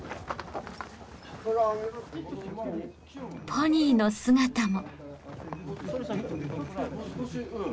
ポニーの姿も。